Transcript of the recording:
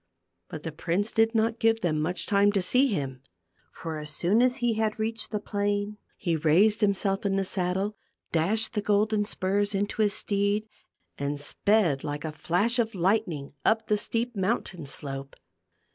But the prince did not give them much time to see him, for as soon as he had reached the plain, he raised himself in the saddle, dashed the golden spurs into his steed and sped like a flash of lightning up the steep mountain slope.